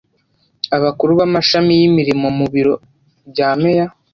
Abakuru b amashami y imirimo mu biro bya meya